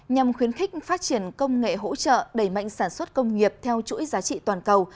nhằm khuyến khích phát triển công nghệ hỗ trợ đẩy mạnh sản xuất công nghiệp theo chuỗi giá trị toàn cầu